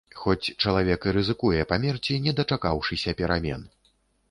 Хоць чалавек і рызыкуе памерці, не дачакаўшыся перамен.